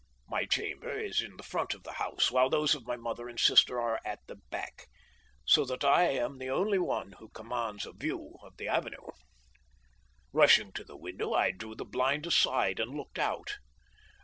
My chamber is in the front of the house, while those of my mother and sister are at the back, so that I am the only one who commands a view of the avenue. "Rushing to the window I drew the blind aside and looked out.